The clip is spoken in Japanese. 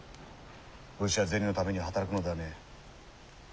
武士は銭のために働くのではねえ。